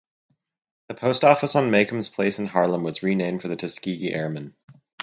The post office on Macombs Place in Harlem was renamed for the Tuskegee Airmen.